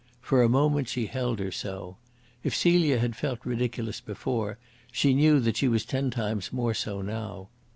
For a moment she held her so. If Celia had felt ridiculous before, she knew that she was ten times more so now.